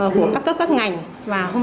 qua cuộc sống